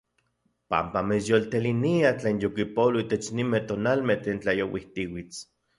Panpa mitsyoltelinia tlen yokipolo itech ninmej tonalmej tlen tlayouijtiuits.